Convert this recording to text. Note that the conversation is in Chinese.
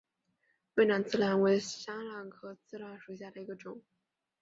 越南刺榄为山榄科刺榄属下的一个种。